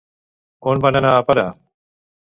On van anar a parar?